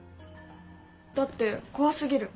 だって怖すぎる。